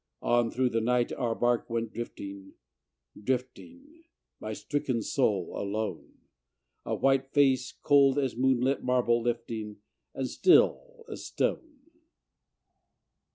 On through the night our barque went drifting, drifting; My stricken Soul alone; A white face cold as moonlit marble lifting, And still as stone.